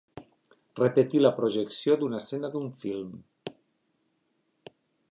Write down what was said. Repetir la projecció d'una escena d'un film.